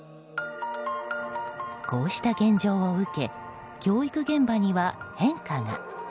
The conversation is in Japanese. こうした現状を受け教育現場には変化が。